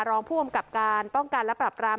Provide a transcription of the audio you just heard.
รองผู้กำกับการป้องกันและปรับราม